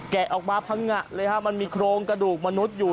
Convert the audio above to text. ออกมาพังงะเลยฮะมันมีโครงกระดูกมนุษย์อยู่